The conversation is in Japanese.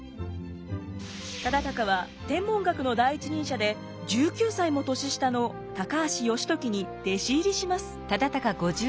忠敬は天文学の第一人者で１９歳も年下の高橋至時に弟子入りします。